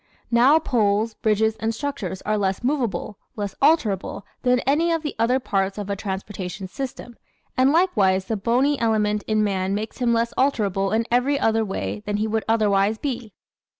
Now poles, bridges and structures are less movable, less alterable than any of the other parts of a transportation system, and likewise the bony element in man makes him less alterable in every other way than he would otherwise be.